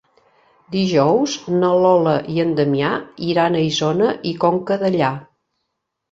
Dijous na Lola i en Damià iran a Isona i Conca Dellà.